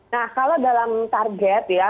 nah kalau dalam target ya